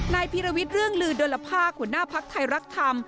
พิรวิทย์เรื่องลือดลภาคหัวหน้าภักดิ์ไทยรักธรรม